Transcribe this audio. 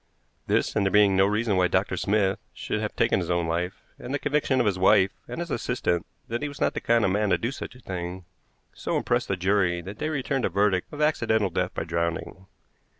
This, and there being no reason why Dr. Smith should have taken his own life, and the conviction of his wife and his assistant that he was not the kind of man to do such a thing, so impressed the jury that they returned a verdict of accidental death by drowning.